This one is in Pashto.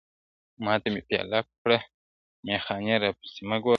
ماته مي پیاله کړه میخانې را پسي مه ګوره -